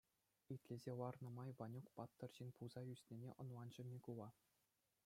Итлесе ларнӑ май Ванюк паттӑр ҫын пулса ӳснине ӑнланчӗ Микула.